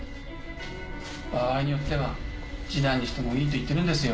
場合によっては示談にしてもいいと言ってるんですよ。